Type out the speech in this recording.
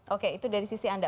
oke itu dari sisi anda